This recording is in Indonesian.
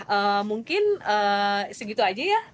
ya mungkin segitu aja ya